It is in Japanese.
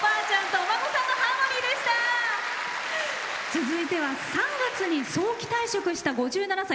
続いては３月に早期退職した５７歳。